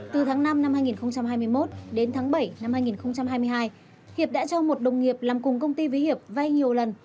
từ tháng năm năm hai nghìn hai mươi một đến tháng bảy năm hai nghìn hai mươi hai hiệp đã cho một đồng nghiệp làm cùng công ty với hiệp vay nhiều lần